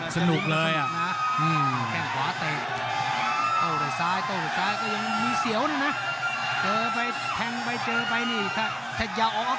สนุกเลย